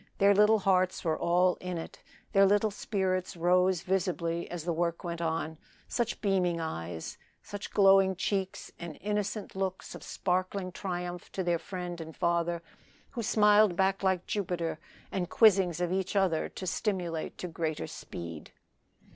Their little hearts were all in it. Their little spirits rose visibly as the work went on such beaming eyes such glowing cheeks and innocent looks of sparkling triumph to their friend and father, who smiled back like Jupiter, and quizzings of each other to stimulate to greater speed.